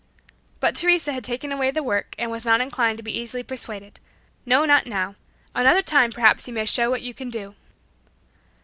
But Teresa had taken away the work, and was not inclined to be easily persuaded. "No, not now! Another time perhaps you may show what you can do."